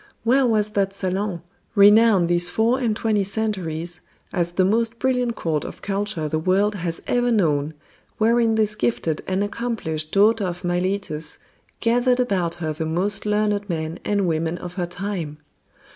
Where was that salon, renowned these four and twenty centuries as the most brilliant court of culture the world has ever known, wherein this gifted and accomplished daughter of Miletus gathered about her the most learned men and women of her time?